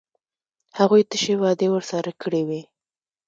هغوی تشې وعدې ورسره کړې وې.